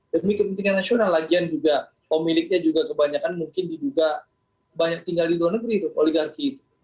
demi kepentingan nasional lagian juga pemiliknya juga kebanyakan mungkin diduga banyak tinggal di luar negeri oligarki itu